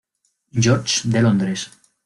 George de Londres.